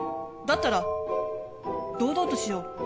だったら堂々としよう。